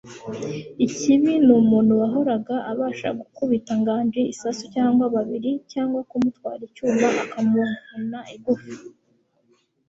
Ikibi ni umuntu wahoraga abasha gukubita Nganji isasu cyangwa bibiri cyangwa kumutwara icyuma, akamuvuna igufwa.